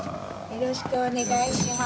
よろしくお願いします。